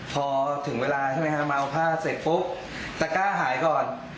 พอถึงเวลาใช่ไหมฮะมาเอาผ้าเสร็จปุ๊บตะก้าหายก่อน